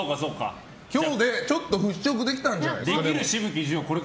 今日で、ちょっと払しょくできたんじゃないですか。